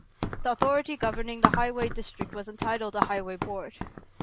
The authority governing the highway district was entitled a highway board.